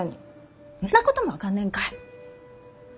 んなことも分かんねぇんかい。